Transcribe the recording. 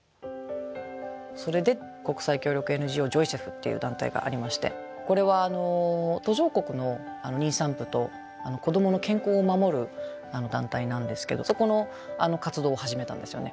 それで国際協力ＮＧＯジョイセフっていう団体がありましてこれは途上国の妊産婦と子どもの健康を守る団体なんですけどそこの活動を始めたんですよね。